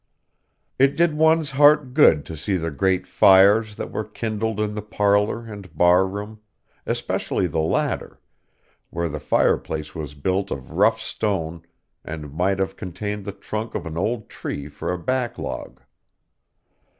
It did one's heart good to see the great fires that were kindled in the parlor and bar room, especially the latter, where the fireplace was built of rough stone, and might have contained the trunk of an old tree for a backlog.